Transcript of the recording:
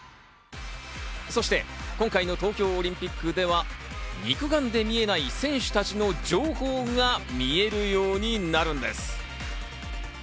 そして今回の東京オリンピックでは、肉眼で見えない選手たちの情報が見えるようになるんです。